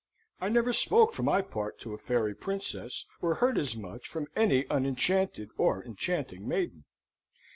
I never spoke for my part to a fairy princess, or heard as much from any unenchanted or enchanting maiden.